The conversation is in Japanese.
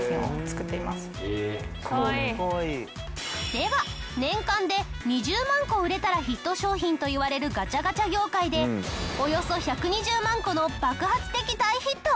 では年間で２０万個売れたらヒット商品といわれるガチャガチャ業界でおよそ１２０万個の爆発的大ヒットを記録。